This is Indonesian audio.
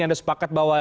anda sepakat bahwa